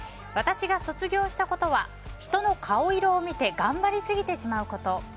私が卒業したことは人の顔色を見て頑張りすぎてしまうこと。